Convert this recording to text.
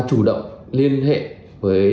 chủ động liên hệ với